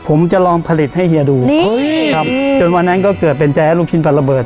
ผมจะลองผลิตให้เฮียดูเฮ้ยครับจนวันนั้นก็เกิดเป็นแจ๊ลูกชิ้นปลาระเบิด